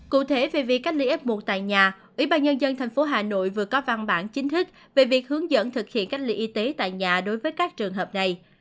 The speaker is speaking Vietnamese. cụ thể về việc cách ly f một tại nhà ủy ban nhân dân tp hà nội vừa có văn bản chính thức về việc hướng dẫn thực hiện cách ly y tế tại nhà đối với các trường hợp này